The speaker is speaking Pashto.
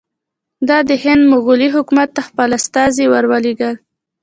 ده د هند مغولي حکومت ته خپل استازي ور ولېږل.